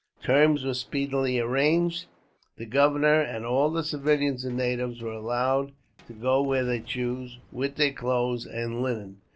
Terms were speedily arranged. The governor, and all the civilians and natives, were allowed to go where they chose, with their clothes and linen.